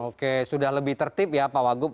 oke sudah lebih tertib ya pak wagub